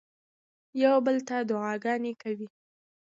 یو بل ته دعاګانې کوئ.